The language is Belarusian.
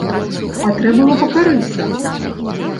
А трэ было пакарыцца!